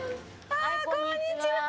あぁこんにちは！